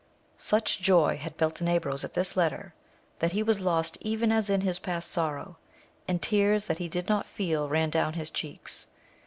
Such joy had Beltenebros at this letter, that he was lost even as in his past sorrow, and tears that he did not feel ran down his cheeks.